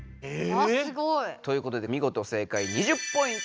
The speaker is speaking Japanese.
あっすごい。ということで見ごと正解２０ポイント